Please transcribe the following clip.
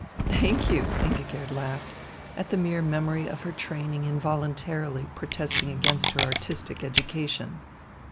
"Thank you," Ingigerd laughed, at the mere memory of her training involuntarily protesting against her artistic education.